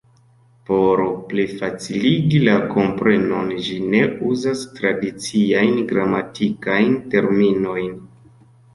Por plifaciligi la komprenon, ĝi ne uzas tradiciajn gramatikajn terminojn.